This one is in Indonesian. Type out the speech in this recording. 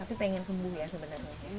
tapi pengen sembuh ya sebenarnya